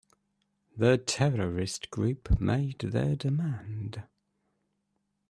The terrorist group made their demand.